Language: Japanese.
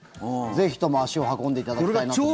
ぜひとも足を運んでいただきたいなと。